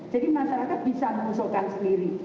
jadi masyarakat bisa mengusulkan sendiri